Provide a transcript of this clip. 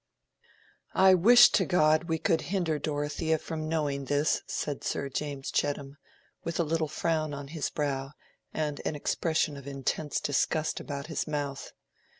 "I wish to God we could hinder Dorothea from knowing this," said Sir James Chettam, with a little frown on his brow, and an expression of intense disgust about his mouth.